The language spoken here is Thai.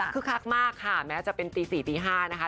คือคักมากค่ะแม้จะเป็นตี๔ตี๕นะคะ